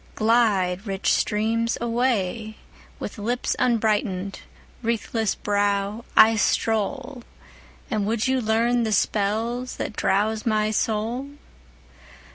Glide, rich streams, away! 10 With lips unbrighten'd, wreathless brow, I stroll: And would you learn the spells that drowse my soul?